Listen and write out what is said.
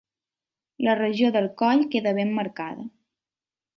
La regió del coll queda ben marcada.